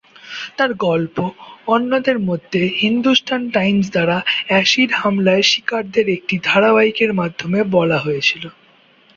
তার গল্প, অন্যদের মধ্যে, হিন্দুস্তান টাইমস দ্বারা অ্যাসিড হামলায় শিকারদের একটি ধারাবাহিকের মাধ্যমে বলা হয়েছিল।